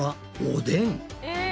おでん？